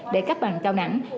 để cấp bằng cao đẳng